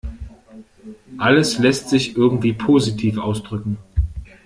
Alles lässt sich irgendwie positiv ausdrücken.